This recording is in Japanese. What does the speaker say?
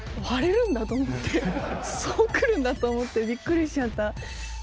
割れるんだと思って、そうくるんだと思って、びっくりしちゃった。